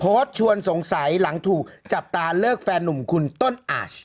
ชวนสงสัยหลังถูกจับตาเลิกแฟนหนุ่มคุณต้นอาช